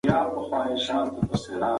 دا ورزشي بوټونه تر نورو ډېر سپک دي.